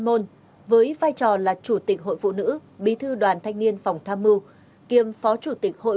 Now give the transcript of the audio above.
môn với vai trò là chủ tịch hội phụ nữ bí thư đoàn thanh niên phòng tham mưu kiêm phó chủ tịch hội